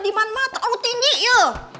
di manma tak rutinik ya